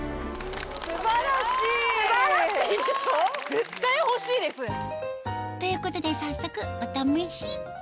絶対欲しいです。ということで早速お試し！